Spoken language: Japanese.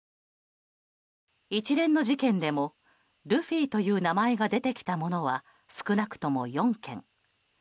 一連の事件でもルフィという名前が出てきたものは少なくとも４件。